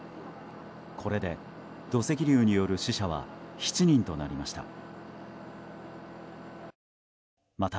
これで土石流による死者は７人となりました。